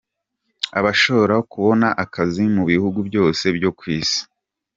Ashobora kubona akazi mu bihugu byose byo ku Isi.